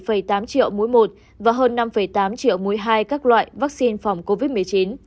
và hơn năm tám triệu mũi một và hơn năm tám triệu mũi hai các loại vaccine phòng covid một mươi chín